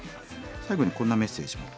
最後にこんなメッセージも。